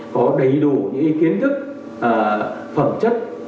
có đầy đủ những kiến thức phẩm chất